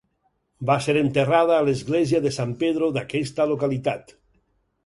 Va ser enterrada a l'església de San Pedro d'aquesta localitat.